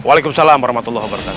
waalaikumsalam warahmatullah wabarakatuh